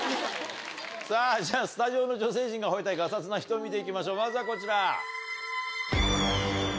さぁじゃスタジオの女性陣が吠えたいガサツな人を見て行きましょうまずはこちら。